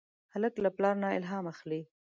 هلک له پلار نه الهام اخلي.